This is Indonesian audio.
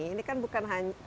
ini kan bukan hanya